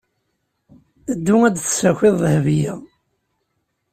Ddu ad d-tessakiḍ Dahbiya.